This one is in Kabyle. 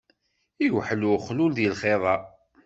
Iwḥel uxlul di lɣiḍa.